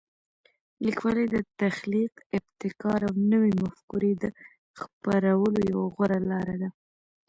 لیکوالی د تخلیق، ابتکار او نوي مفکورې د خپرولو یوه غوره لاره ده.